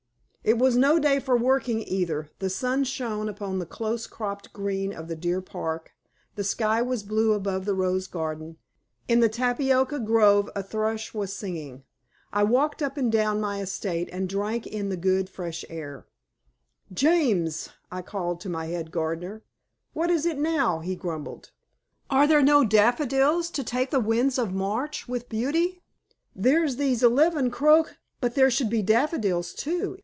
It was no day for working either. The sun shone upon the close cropped green of the deer park, the sky was blue above the rose garden, in the tapioca grove a thrush was singing. I walked up and down my estate and drank in the good fresh air. "James!" I called to my head gardener. "What is it now?" he grumbled. "Are there no daffodils, to take the winds of March with beauty?" "There's these eleven croc " "But there should be daffodils, too.